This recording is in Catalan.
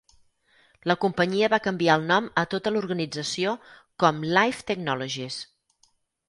La companyia va canviar el nom a tota l"organització com Life Technologies.